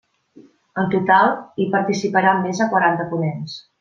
En total, hi participaran més de quaranta ponents.